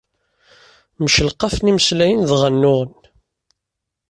Mcelqafen imeslayen, dɣa nnuɣen.